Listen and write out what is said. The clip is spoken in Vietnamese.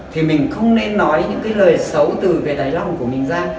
thì mình không nên nói những cái lời xấu từ về đáy lòng của mình ra